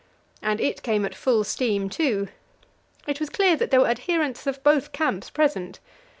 And it came at full steam, too. It was clear that there were adherents of both camps present.